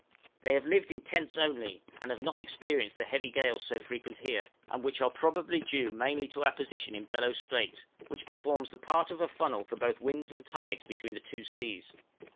They have lived in tents only, and have not experienced the heavy gales so frequent here, and which are probably due mainly to our position in Bellot Strait, which performs the part of a funnel for both winds and tides between the two seas.